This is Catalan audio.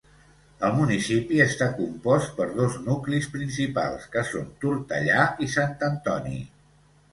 El municipi està compost per dos nuclis principals, que són Tortellà i Sant Antoni.